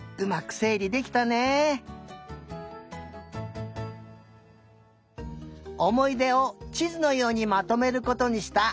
おもいでをちずのようにまとめることにしたゆまり。